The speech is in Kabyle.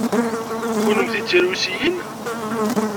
Kennemti d tirusiyin?